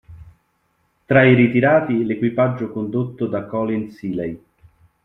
Tra i ritirati l'equipaggio condotto da Colin Seeley.